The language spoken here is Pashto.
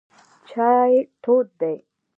چای تود دی.